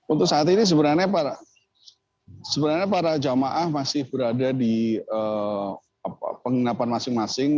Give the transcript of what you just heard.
untuk saat ini sebenarnya para jamaah masih berada di penginapan masing masing